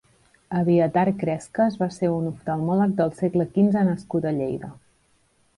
Abiathar Crescas va ser un oftalmòleg del segle quinze nascut a Lleida.